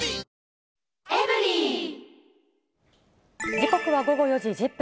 時刻は午後４時１０分。